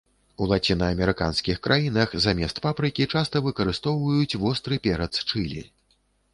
У лацінаамерыканскіх краінах замест папрыкі часта выкарыстоўваюць востры перац чылі.